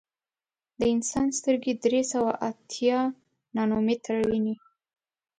د انسان سترګې درې سوه اتیا نانومیټره ویني.